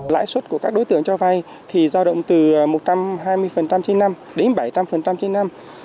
lãi suất của các đối tượng cho vay thì giao động từ một trăm hai mươi trên năm đến bảy trăm linh trên năm